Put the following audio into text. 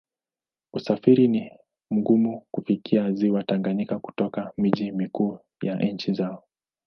Usafiri ni mgumu kufikia Ziwa Tanganyika kutoka miji mikuu ya nchi zao.